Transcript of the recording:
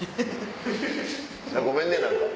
ごめんね何か。